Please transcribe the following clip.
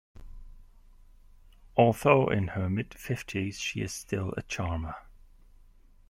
Although in her mid-fifties, she is still a charmer.